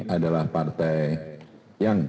adalah partai yang